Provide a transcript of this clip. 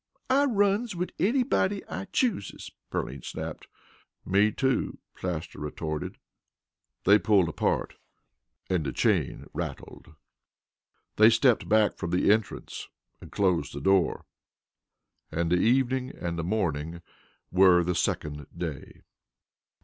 "I runs wid anybody I chooses," Pearline snapped. "Me, too," Plaster retorted. They pulled apart and the chain rattled. They stepped back from the entrance and closed the door. And the evening and the morning were the second day.